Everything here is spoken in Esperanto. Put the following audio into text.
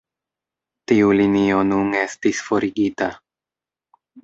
Tiu linio nun estis forigita.